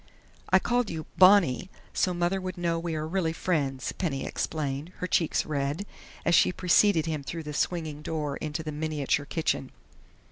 "I called you 'Bonnie' so Mother would know we are really friends," Penny explained, her cheeks red, as she preceded him through the swinging door into the miniature kitchen.